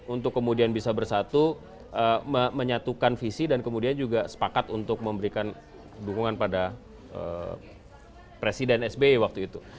untuk kemudian bisa bersatu menyatukan visi dan kemudian juga sepakat untuk memberikan dukungan pada presiden sby waktu itu